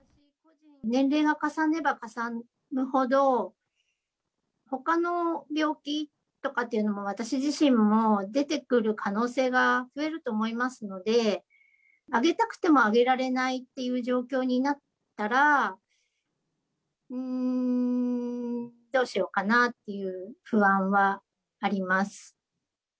年齢が重ねれば重ねるほど、ほかの病気とかっていうのも、私自身も出てくる可能性が増えると思いますので、あげたくてもあげられないっていう状況になったら、どうしようかなっていう不安はあります。